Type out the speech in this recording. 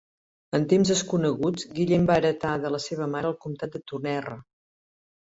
En temps desconeguts, Guillem va heretar de la seva mare el comtat de Tonnerre.